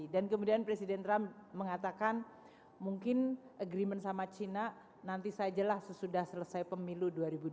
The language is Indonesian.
dan kemudian presiden trump mengatakan mungkin agreement sama china nanti saja lah sesudah selesai pemilu dua ribu dua puluh